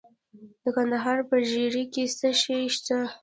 د کندهار په ژیړۍ کې څه شی شته؟